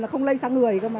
là không lây sang người cơ mà